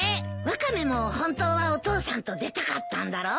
ワカメも本当はお父さんと出たかったんだろ？